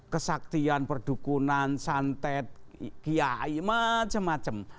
kesaktian perdukunan santet kiai macam macam